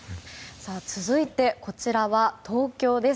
続いて、こちらは東京です。